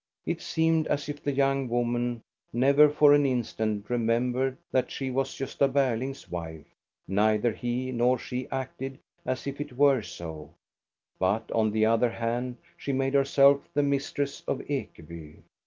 It seemed as if the young woman never for an instant remembered that she was Gosta Berling's wife. Neither he nor she acted as if it were so; but on the other hand she made herself the mistress of Ekeby.